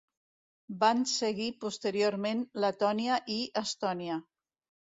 Van seguir posteriorment Letònia i Estònia.